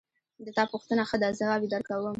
د تا پوښتنه ښه ده ځواب یې درکوم